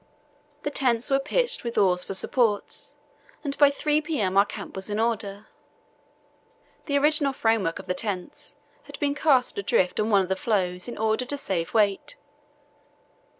The tents were pitched with oars for supports, and by 3 p.m. our camp was in order. The original framework of the tents had been cast adrift on one of the floes in order to save weight.